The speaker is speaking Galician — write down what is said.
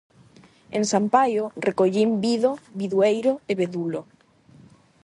En San Paio, recollín "bido", "bidueiro" e "bedulo".